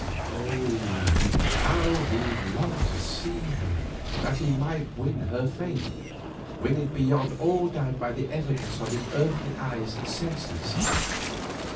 Oh! how he longed to see her, that he might win her faith; win it beyond all doubt by the evidence of his earthly eyes and senses.